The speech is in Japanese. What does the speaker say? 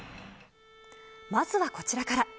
まずはこちらから。